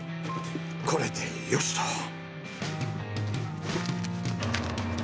これでよしと！